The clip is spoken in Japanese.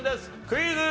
クイズ。